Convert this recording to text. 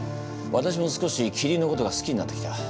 私も少しキリンのことが好きになってきた。